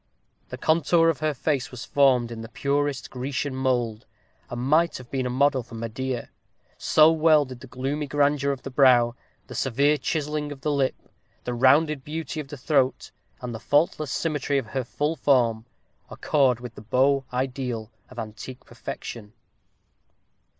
The contour of her face was formed in the purest Grecian mould, and might have been a model for Medea; so well did the gloomy grandeur of the brow, the severe chiselling of the lip, the rounded beauty of the throat, and the faultless symmetry of her full form, accord with the beau ideal of antique perfection.